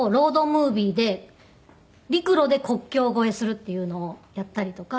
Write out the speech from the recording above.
ムービーで陸路で国境越えするっていうのをやったりとか。